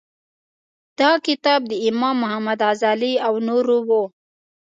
دا کتاب د امام محمد غزالي او نورو و.